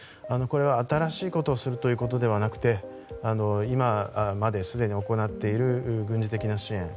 これは新しいことをするというわけではなくて今まですでに行っている軍事的な支援